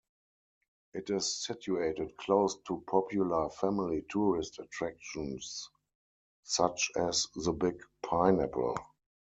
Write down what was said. It is situated close to popular family tourist attractions such as The Big Pineapple.